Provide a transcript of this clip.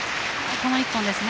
この１本ですね。